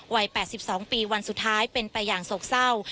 วัย๘๒ปีวันสุดท้ายเป็นไปอย่างโศกเศร้า